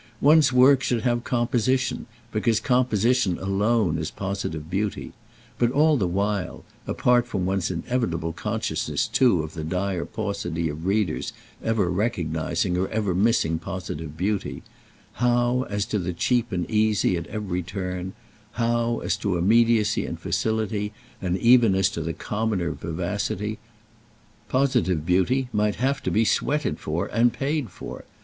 One's work should have composition, because composition alone is positive beauty; but all the while—apart from one's inevitable consciousness too of the dire paucity of readers ever recognising or ever missing positive beauty—how, as to the cheap and easy, at every turn, how, as to immediacy and facility, and even as to the commoner vivacity, positive beauty might have to be sweated for and paid for!